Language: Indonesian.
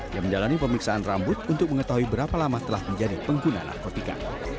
ia menjalani pemeriksaan rambut untuk mengetahui berapa lama telah menjadi pengguna narkotika